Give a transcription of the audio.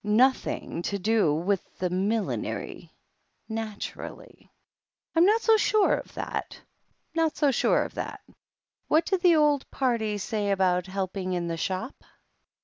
"Nothing to do with the millinery, naturally." "I'm not so sure of that — ^not so sure of that. What did the old party say about helping in the shop?"